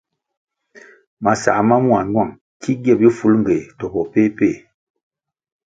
Masãh ma mua ñuáng ki gie bifulngéh to péh péh.